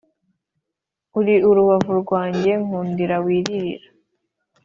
uri urubavu rwanjye, nkundira wirira